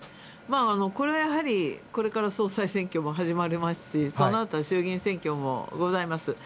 これはやはりこれから総裁選挙も始まりますし、そのあとは衆議院選挙もございます。